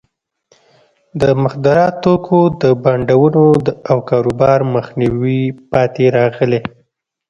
د مخدره توکو د بانډونو او کاروبار مخنیوي پاتې راغلی.